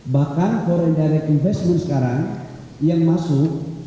bahkan korea daerah investasi sekarang yang masuk